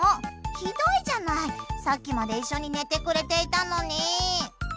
ひどいじゃない、さっきまで一緒に寝てくれていたのに。